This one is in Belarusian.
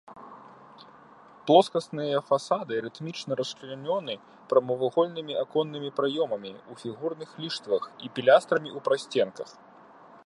Плоскасныя фасады рытмічна расчлянёны прамавугольнымі аконнымі праёмамі ў фігурных ліштвах і пілястрамі ў прасценках.